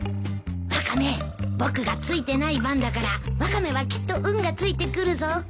ワカメ僕がついてない番だからワカメはきっと運がついてくるぞ。